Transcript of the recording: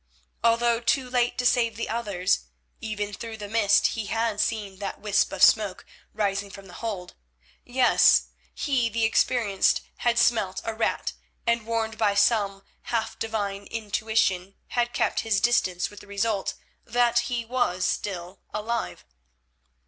Although too late to save the others, even through the mist he had seen that wisp of smoke rising from the hold; yes, he, the experienced, had smelt a rat, and, warned by some half divine intuition, had kept his distance with the result that he was still alive.